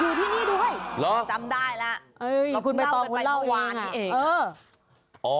อยู่ที่นี่ด้วยจำได้แล้วเออคุณไปต่อคุณเล่าเองอะเออ